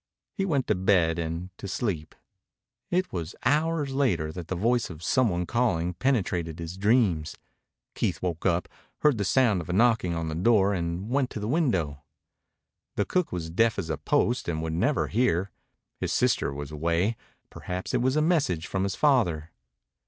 He went to bed and to sleep. It was hours later that the voice of some one calling penetrated his dreams. Keith woke up, heard the sound of a knocking on the door, and went to the window. The cook was deaf as a post and would never hear. His sister was away. Perhaps it was a message from his father.